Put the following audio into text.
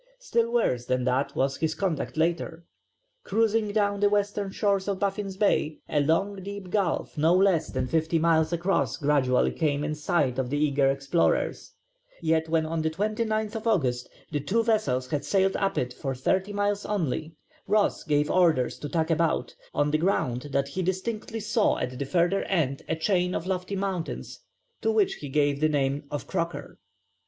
Still worse than that was his conduct later. Cruising down the western shores of Baffin's Bay a long deep gulf no less than fifty miles across gradually came in sight of the eager explorers, yet when on the 29th August the two vessels had sailed up it for thirty miles only Ross gave orders to tack about, on the ground that he distinctly saw at the further end a chain of lofty mountains to which he gave the name of Croker.